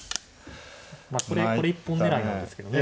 まあこれ一本狙いなんですけどね。